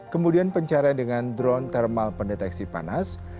kemudian pencarian dengan drone thermal pendeteksi panas